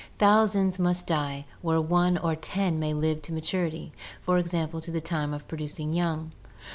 Thousands must die where one or ten may live to maturity (i. e., to the time of producing young).